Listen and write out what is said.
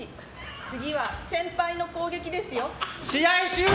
次は、先輩の攻撃ですよ。